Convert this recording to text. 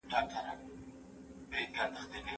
دا پوښتنې لا هم مطرح دي.